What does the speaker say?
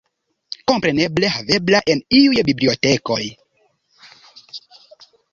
Kompreneble havebla en iuj bibliotekoj.